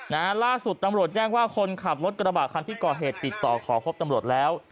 ล่าสุดตำรวจแจ้งว่าคนขับรถกระบะคันที่ก่อเหตุติดต่อขอพบตำรวจแล้ว